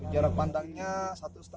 jarak pandangnya satu lima sampai dua meter